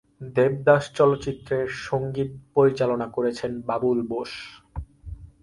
দেবদাস চলচ্চিত্রের সঙ্গীত পরিচালনা করেছেন বাবুল বোস।